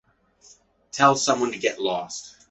Tell someone to get lost.